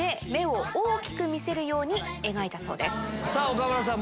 岡村さん